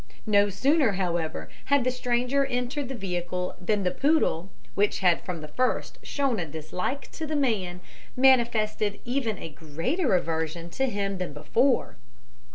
No sooner, however, had the stranger entered the vehicle than the poodle, which had from the first shown a dislike to the man, manifested even a greater aversion to him than before.